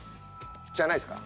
じゃないっすか？